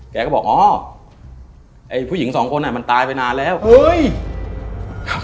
แกก็บอกพุยิง๒คนมันตายไปนานแล้วเฮ้ย